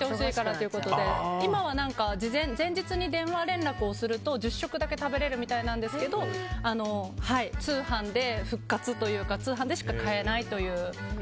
今は前日に電話連絡をすると１０食だけ食べれるんですけど通販で復活というか通販でしか買えないという。